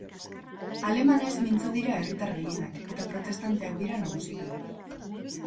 Alemanez mintzo dira herritar gehienak, eta protestanteak dira nagusiki.